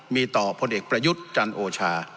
มีต่อพลเอกประยุทธ์จันโอชา